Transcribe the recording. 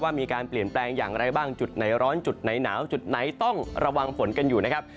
มีการเปลี่ยนแปลงอย่างไรบ้างจุดไหนร้อนจุดไหนหนาวจุดไหนต้องระวังฝนกันอยู่นะครับ